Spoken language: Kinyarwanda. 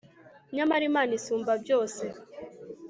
nyamara imana isumba byose